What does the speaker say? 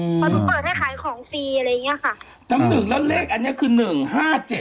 เพราะหนูเปิดให้ขายของฟรีอะไรอย่างเงี้ยค่ะน้ำหนึ่งแล้วเลขอันเนี้ยคือหนึ่งห้าเจ็ด